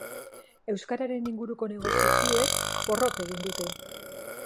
Euskararen inguruko negoziazioek porrot egin dute.